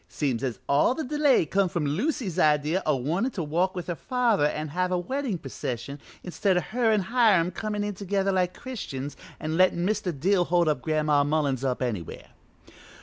Seems as all the delay come from Lucy's idea o' wantin' to walk with her father an' have a weddin' procession, instid o' her an' Hiram comin' in together like Christians an' lettin' Mr. Dill hold Gran'ma Mullins up anywhere.